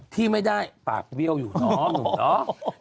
ที่ไม่ได้ปากเบี้ยวอยู่เนาะหนุ่มเนาะ